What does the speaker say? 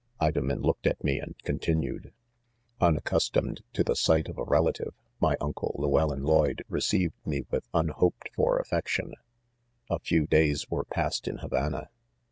" Idomen looked at me and continued :£ Unaccustomed to the sight of a relative, my uncle Lewellyn Lloyd received me with un hoped for affection. 6 A few days were passed in Havana.